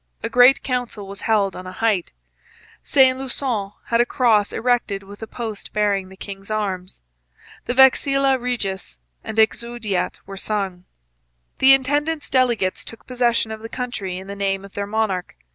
A great council was held on a height. Saint Lusson had a cross erected with a post bearing the king's arms. The Vexilla Regis and the Exaudiat were sung. The intendant's delegates took possession of the country in the name of their monarch.